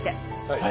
はい。